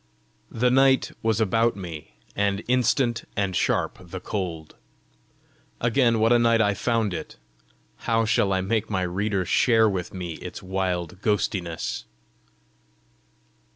The night was about me, and instant and sharp the cold. Again what a night I found it! How shall I make my reader share with me its wild ghostiness?